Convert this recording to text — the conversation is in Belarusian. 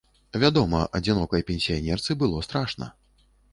Вядома, адзінокай пенсіянерцы было страшна.